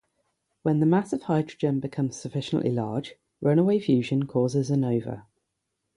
When the mass of hydrogen becomes sufficiently large, runaway fusion causes a nova.